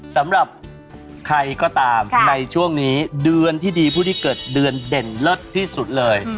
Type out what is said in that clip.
สำหรับใครก็ตามในช่วงนี้เดือนที่ดีผู้ที่เกิดเดือนเด่นเลิศที่สุดเลย